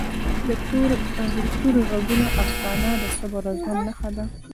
د تورې غرونو افسانه د صبر او زغم نښه ده.